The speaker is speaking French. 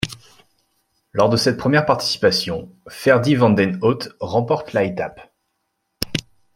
Lors de cette première participation, Ferdi Van Den Haute remporte la étape.